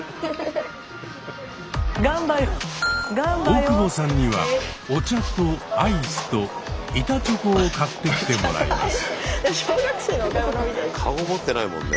大久保さんにはお茶とアイスと板チョコを買ってきてもらいます。